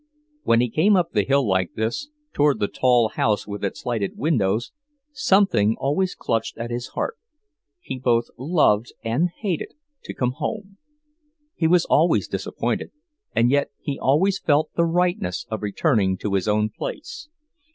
When he came up the hill like this, toward the tall house with its lighted windows, something always clutched at his heart. He both loved and hated to come home. He was always disappointed, and yet he always felt the rightness of returning to his own place.